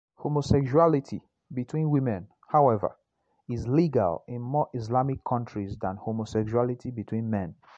Homosexuality between women, however, is legal in more Islamic countries than homosexuality between men.